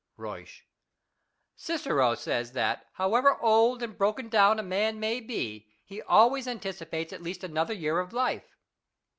Buysch. Cicero says "^ that, however old and broken down a man may be, he always anticipates at least another year of life.